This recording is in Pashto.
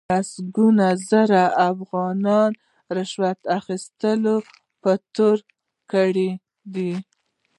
د لسګونو زرو افغانیو رشوت اخستلو په تور ککړ دي.